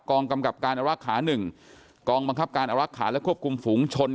กองกำกัปการอระคา๑กรองบังคับการอระคาและควบคุมฝูงชน